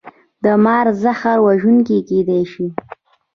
د مار زهر وژونکي کیدی شي